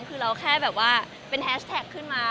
คือเราแค่แบบว่าเป็นแฮชแท็กขึ้นมา